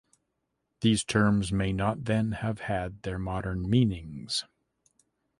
These terms may not then have had their modern meanings.